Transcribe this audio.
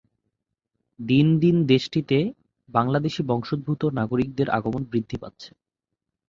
দিন দিন দেশটিতে বাংলাদেশি বংশোদ্ভূত নাগরিকদের আগমন বৃদ্ধি পাচ্ছে।